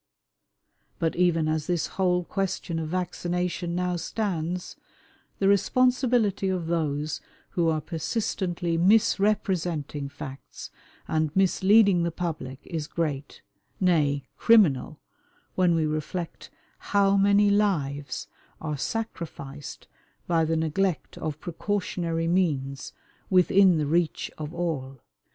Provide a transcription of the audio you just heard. But even as this whole question of vaccination now stands, the responsibility of those who are persistently misrepresenting facts and misleading the public is great, nay, criminal, when we reflect how many lives are sacrificed by the neglect of precautionary means within the reach of all.